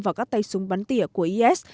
và các tay súng bắn tỉa của is